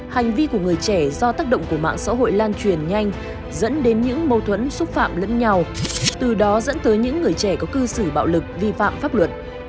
hành vi của người trẻ do tác động của mạng xã hội lan truyền nhanh dẫn đến những mâu thuẫn xúc phạm lẫn nhau từ đó dẫn tới những người trẻ có cư xử bạo lực vi phạm pháp luật